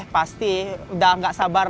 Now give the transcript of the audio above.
pasti sudah tidak sabar